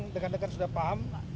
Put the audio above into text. dekat dekat sudah paham